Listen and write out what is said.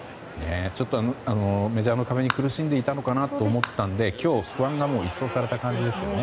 ちょっとメジャーの壁に苦しんでいたのかなと思ったので、今日不安が一掃された感じですね。